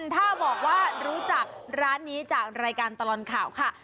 ถ้าบอกว่ารู้จักร้านนี้จากรายการตลอดข่าวค่ะ